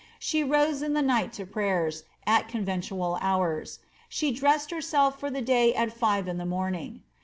She rose in the night to prayers, at con ventual hours ; she dressed herself for the day at five in the morning.